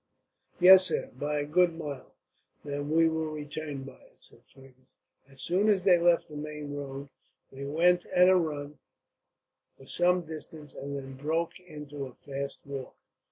"Yes, sir, by a good mile." "Then we will return by it," said Fergus. As soon as they left the main road they went at a run for some distance, and then broke into a fast walk.